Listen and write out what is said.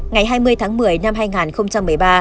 ngày hai mươi tháng một mươi năm hai nghìn một mươi ba